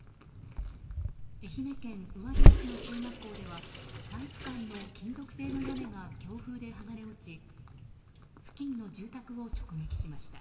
愛媛県宇和島市の中学校では体育館の金属製の屋根が強風で剥がれ落ち付近の住宅を直撃しました。